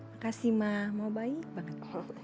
makasih mah mau baik banget